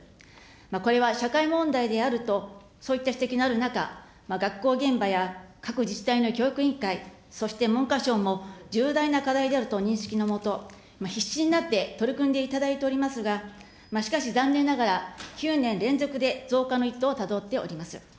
これは社会問題であると、そういった指摘のある中、学校現場や各自治体の教育委員会、そして文科省も重大な課題であるとの認識のもと、必死になって取り組んでいただいておりますが、しかし残念ながら、９年連続で増加の一途をたどっております。